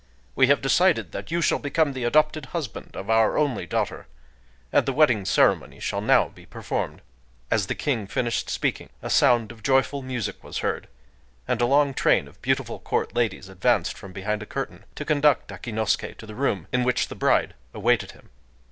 We have decided that you shall become the adopted husband of Our only daughter;—and the wedding ceremony shall now be performed." As the king finished speaking, a sound of joyful music was heard; and a long train of beautiful court ladies advanced from behind a curtain to conduct Akinosuké to the room in which his bride awaited him.